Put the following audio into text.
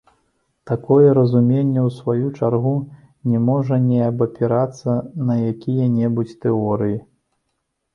Такое разуменне, у сваю чаргу, не можа не абапірацца на якія-небудзь тэорыі.